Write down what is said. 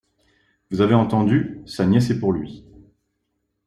Vous avez entendu, sa nièce est pour lui.